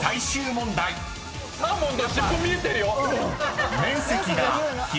もうサーモンの尻尾見えてるよ。